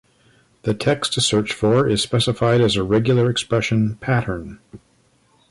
The text to search for is specified as a regular expression "pattern".